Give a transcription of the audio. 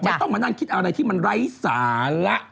ไม่ต้องมานั่งคิดอะไรที่มันไร้สาระ